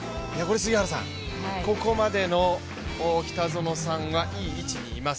ここまでの北園さんがいい位置にいます。